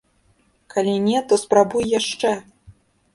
Калі не, то спрабуй яшчэ!